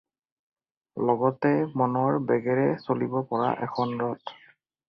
লগতে মনৰ বেগেৰে চলিব পৰা এখন ৰথ।